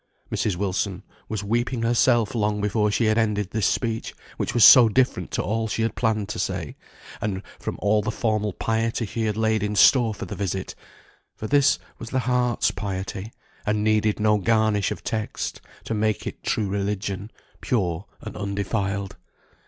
Mrs. Wilson was weeping herself long before she had ended this speech, which was so different to all she had planned to say, and from all the formal piety she had laid in store for the visit; for this was heart's piety, and needed no garnish of texts to make it true religion, pure and undefiled.